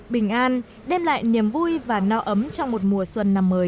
bình an đem lại niềm vui và no ấm trong một mùa xuân năm mới